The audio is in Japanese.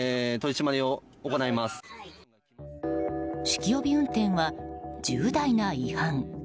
酒気帯び運転は重大な違反。